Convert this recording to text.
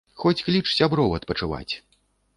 Хоць кліч сяброў адпачываць!